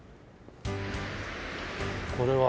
これは？